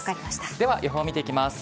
では予報見ていきます。